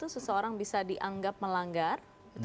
seseorang bisa dianggap melanggar